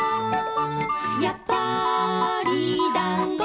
「やっぱりだんご」